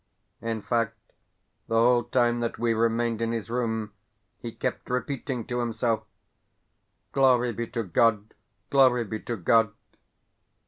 In fact, the whole time that we remained in his room he kept repeating to himself: "Glory be to God, glory be to God!"